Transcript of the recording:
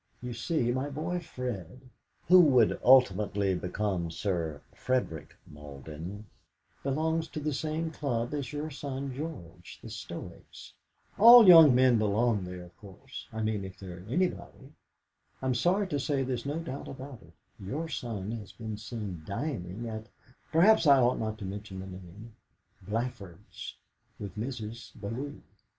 You see, my boy Fred" (who would ultimately become Sir Frederick Malden) "belongs to the same club as your son George the Stoics. All young men belong there of course I mean, if they're anybody. I'm sorry to say there's no doubt about it; your son has been seen dining at perhaps I ought not to mention the name Blafard's, with Mrs. Bellew.